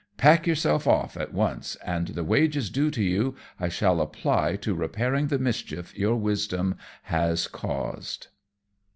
Pack yourself off at once, and the wages due to you I shall apply to repairing the mischief your wisdom has caused."